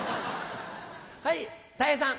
はいたい平さん。